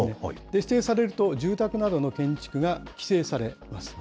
指定されると、住宅などの建築が規制されます。